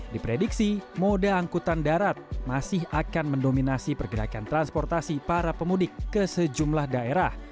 diprediksi mode angkutan darat masih akan mendominasi pergerakan transportasi para pemudik ke sejumlah daerah